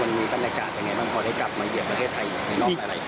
มันมีบรรยากาศยังไงบ้างพอได้กลับมาเยือนประเทศไทยในรอบอะไร